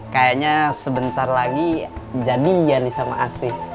kayaknya sebentar lagi jadiin ya nih sama asy